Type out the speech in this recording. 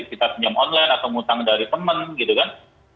kita pinjam online atau menghutang dari teman gitu kan